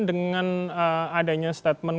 dengan adanya statement